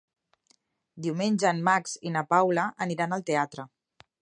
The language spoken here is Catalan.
Diumenge en Max i na Paula aniran al teatre.